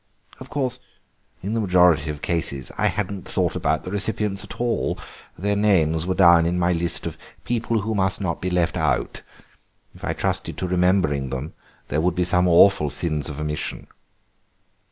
Of course in the majority of cases I hadn't thought about the recipients at all; their names were down in my list of 'people who must not be left out.' If I trusted to remembering them there would be some awful sins of omission."